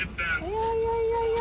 いやいやいやいや